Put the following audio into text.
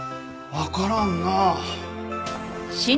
わからんなあ。